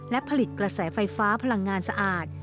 และผลิตกระแสไฟฟ้าพลังงานสะอาด